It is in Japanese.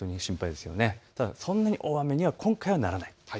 そんなに大雨には今回はならない。